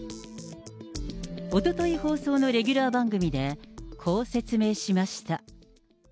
おととい放送のレギュラー番組で、こう説明しました。